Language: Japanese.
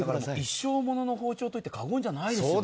一生物の包丁といって過言じゃないですね。